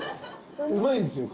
うまいんですよ